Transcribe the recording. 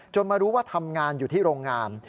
มารู้ว่าทำงานอยู่ที่โรงงาน